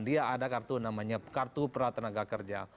dia ada kartu namanya kartu pratenaga kerja